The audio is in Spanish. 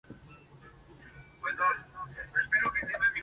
Marina nació en Ereván, de madre ucraniana y padre armenio.